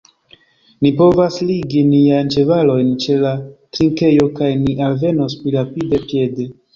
Ni povas ligi niajn ĉevalojn ĉe la trinkejo, kaj ni alvenos pli rapide piede.